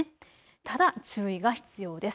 ただ注意が必要です。